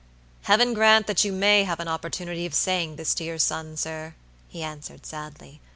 "Heaven grant that you may have an opportunity of saying this to your son, sir," he answered sadly.